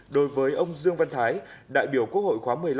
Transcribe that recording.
đối với ông dương văn thái đại biểu quốc hội khóa một mươi năm